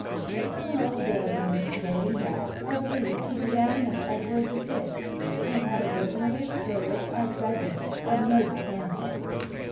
It was an old building, dating back, I believe, to the reign of Edward VI, and had originally served as the residence of noble families.